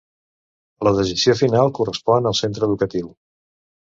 La decisió final correspon al centre educatiu.